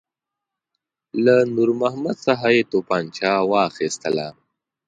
له نور محمد څخه یې توپنچه واخیستله.